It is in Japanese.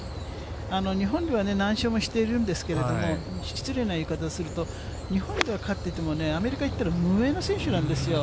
日本では何勝もしているんですけれども、失礼な言い方をすると、日本では勝っててもね、アメリカ行ったら無名の選手なんですよ。